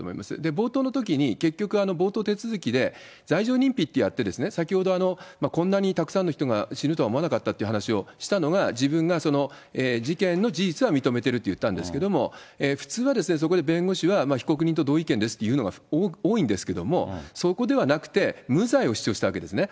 冒頭のときに、結局冒頭手続きで、罪状認否ってやって、先ほど、こんなにたくさんの人が死ぬとは思わなかったっていう話をしたのが、自分が事件の事実は認めてるといったんですけれども、普通はそこで弁護士は、被告人と同意見ですと言うのが多いんですけれども、そこではなくて、無罪を主張したわけですね。